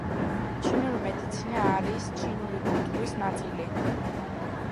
ჩინური მედიცინა არის ჩინური კულტურის ნაწილი.